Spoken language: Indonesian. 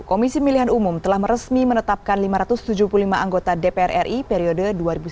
komisi pemilihan umum telah meresmi menetapkan lima ratus tujuh puluh lima anggota dpr ri periode dua ribu sembilan belas dua ribu dua